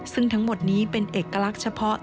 ซึ่งทั้งหมดนี้เป็นเอกลักษณ์เฉพาะ